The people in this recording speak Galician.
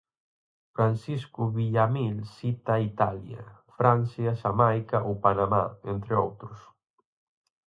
Francisco Villamil cita Italia, Francia, Xamaica ou Panamá, entre outros.